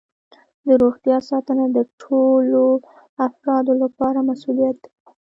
د روغتیا ساتنه د ټولو افرادو لپاره مسؤولیت دی.